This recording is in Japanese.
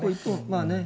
まあね。